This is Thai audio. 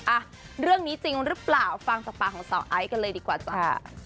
อ่ะเรื่องนี้จริงหรือเปล่าฟังจากปากของสาวไอซ์กันเลยดีกว่าจ้ะ